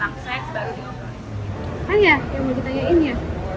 kan ya yang mau ditanyain ya